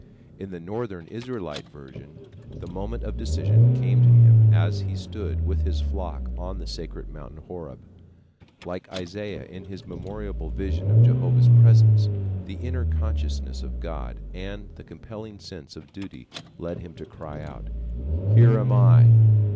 In the Northern Israelite version the moment of decision came to him as he stood with his flock on the sacred mountain Horeb. Like Isaiah in his memorable vision of Jehovah's presence, the inner consciousness of God and the compelling sense of duty led him to cry out: "Here am I."